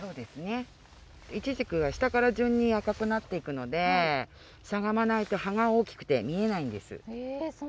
いちじくは下から順に赤くなっていくのでしゃがまないと葉が大きくて見えないんです。